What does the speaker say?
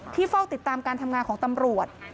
เฝ้าติดตามการทำงานของตำรวจ